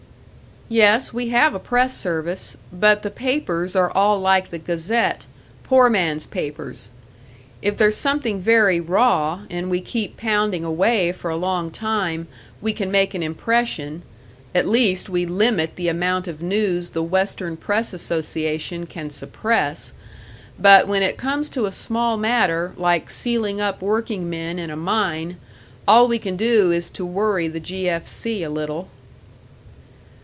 "Yes, we have a press service; but the papers are all like the Gazette poor man's papers. If there's something very raw, and we keep pounding away for a long time, we can make an impression; at least we limit the amount of news the Western press association can suppress. But when it comes to a small matter like sealing up workingmen in a mine, all we can do is to worry the 'G. F. C.' a little."